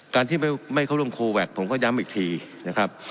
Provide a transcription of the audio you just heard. การที่ไม่เข้าร่วมโคแวคผมก็ย้ำอีกทีนะครับ